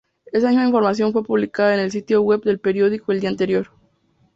Esa misma información fue publicada en el sitio web del periódico el día anterior.